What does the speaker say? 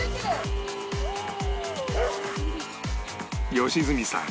良純さん